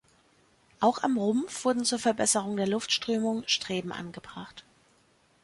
Auch am Rumpf wurden zur Verbesserung der Luftströmung Streben angebracht.